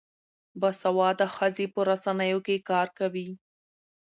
باسواده ښځې په رسنیو کې کار کوي.